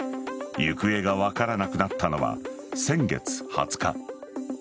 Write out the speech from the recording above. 行方が分からなくなったのは先月２０日。